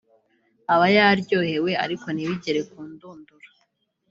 aba yaryohewe ariko ntibigere ku ndunduro